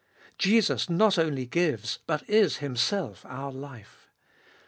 Jesus not only gives, but is Himself our life.